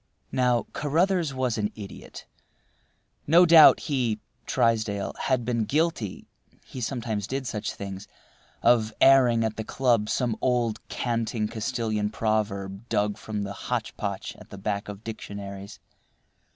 Now, Carruthers was an idiot. No doubt he (Trysdale) had been guilty (he sometimes did such things) of airing at the club some old, canting Castilian proverb dug from the hotchpotch at the back of dictionaries.